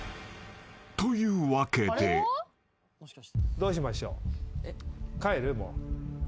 どうしましょう？えっ？